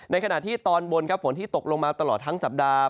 ขณะที่ตอนบนครับฝนที่ตกลงมาตลอดทั้งสัปดาห์